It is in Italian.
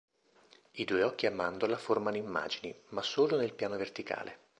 I due occhi a mandorla formano immagini, ma solo nel piano verticale.